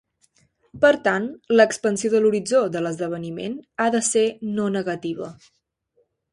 Per tant, l'expansió de l'horitzó de l'esdeveniment ha de ser no negativa.